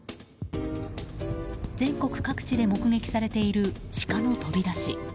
全国各地で目撃されているシカの飛び出し。